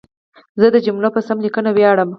زه د جملو په سمه لیکنه ویاړم.